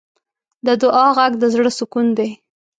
د دعا غږ د زړۀ سکون دی.